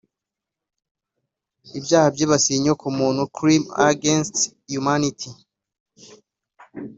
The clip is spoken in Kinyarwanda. ibyaha byibasiye inyoko muntu (crimes against humanity)